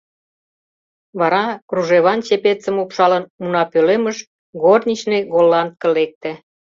Вара, кружеван чепецым упшалын, унапӧлемыш горничный-голландке лекте.